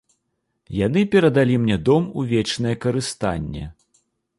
Яны перадалі мне дом у вечнае карыстанне.